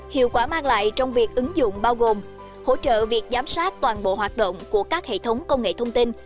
hiệu quả mang lại trong việc ứng dụng bao gồm hỗ trợ việc giám sát toàn bộ hoạt động của các hệ thống công nghệ thông tin